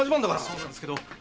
そうなんですけど。